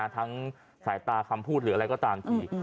ทั้งสายตาคำพูดหรืออะไรก็ตามที